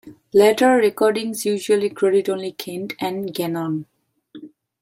Later recordings usually credit only Kent and Gannon.